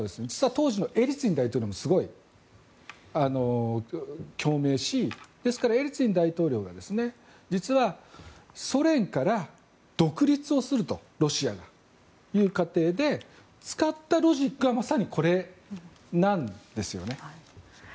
当時のエリツィン大統領もすごく共鳴しエリツィン大統領も実は、ソ連から独立をするとロシアから。という過程で使ったロジックはまさにこれなんですよね。